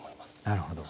なるほど。